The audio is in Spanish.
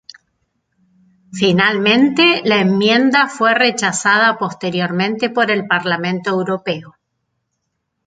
Finalmente, la enmienda fue rechazada posteriormente por el Parlamento Europeo.